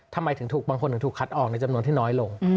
ทำไมถึงถูกบางคนถึงถูกคัดออกในจำนวนที่น้อยลง